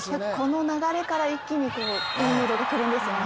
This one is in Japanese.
この流れから一気に流れがくるんですよね。